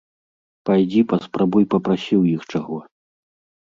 Пайдзі, паспрабуй папрасі ў іх чаго.